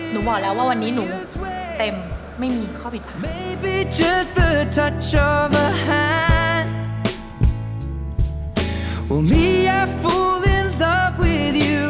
บอกแล้วว่าวันนี้หนูเต็มไม่มีข้อผิดพลาด